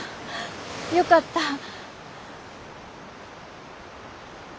よかった。